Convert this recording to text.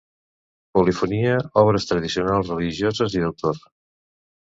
Polifonia, obres tradicionals, religioses i d'autor.